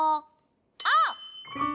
あっ！